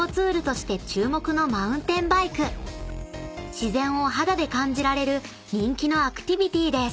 ［自然を肌で感じられる人気のアクティビティです］